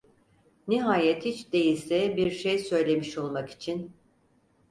Nihayet hiç değilse bir şey söylemiş olmak için: